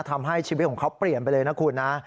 ทำให้ชีวิตของเขาเปลี่ยนไปเลยนะคุณนะ